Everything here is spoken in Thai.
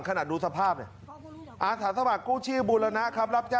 ขอสามารถกึ่งชีพเบูลละนะครับ